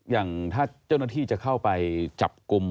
อย่างถ้าเจ้าหน้าที่จะเข้าไปจับกลุ่ม